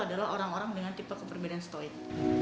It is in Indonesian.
adalah orang orang dengan tipe kepribadian stoik